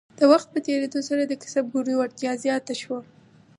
د وخت په تیریدو سره د کسبګرو وړتیا زیاته شوه.